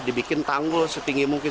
dibikin tanggul setinggi mungkin